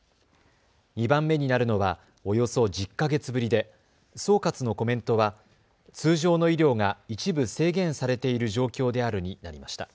２番目になるのはおよそ１０か月ぶりで総括のコメントは通常の医療が一部制限されている状況であるになりました。